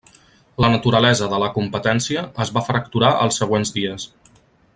La naturalesa de la competència es va fracturar als següents dies.